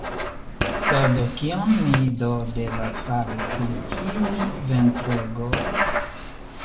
Sed kion mi do devas fari kun tiu ventrego?